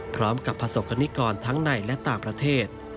พร้อมกับประสบกรณิกรทั้งในและต่างประเทศ